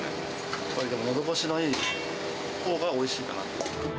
やっぱりのどごしのいいほうがおいしいかなと。